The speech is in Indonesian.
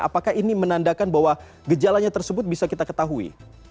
apakah ini menandakan bahwa gejalanya tersebut bisa kita ketahui